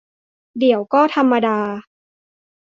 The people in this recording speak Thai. เดี๋ยวก็ธรรมดา